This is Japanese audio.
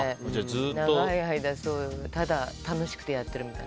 長い間、楽しくてやってるみたいな。